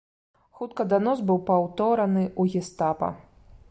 Хутка данос быў паўтораны ў гестапа.